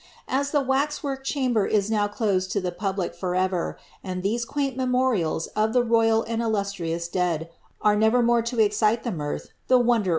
Aa the waxwork chamber ii now closed lo the public for ever, and these quaint memorials of the royal and illustrious dead are never more lo excite the mirih, the iro« der.